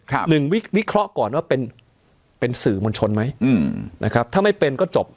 หนึ่งวิเคราะห์ก่อนว่าเป็นเป็นสื่อมวลชนไหมอืมนะครับถ้าไม่เป็นก็จบ